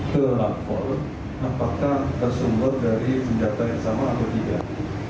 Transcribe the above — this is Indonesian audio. terlaku apakah tersembun dari senjata yang sama atau tidak